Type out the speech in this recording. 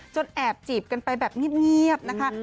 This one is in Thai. แอบจีบกันไปแบบเงียบนะคะ